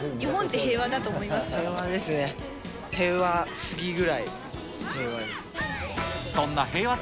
平和すぎぐらい平和です。